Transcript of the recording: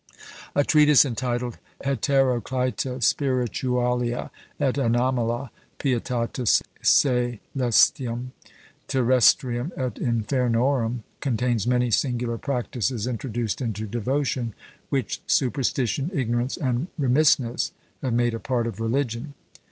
A treatise entitled Heteroclita spiritualia et anomala Pietatis CÃḊlestium, Terrestrium, et Infernorum, contains many singular practices introduced into devotion, which superstition, ignorance, and remissness, have made a part of religion.